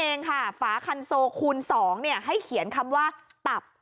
ถือว่าซ้อนั่นเองค่ะฝาคันโซคูล๒เนี่ยให้เขียนคำว่าตับ